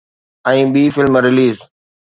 ۽ ٻي film release